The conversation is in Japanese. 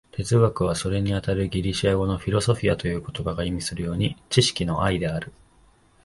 哲学は、それにあたるギリシア語の「フィロソフィア」という言葉が意味するように、知識の愛である。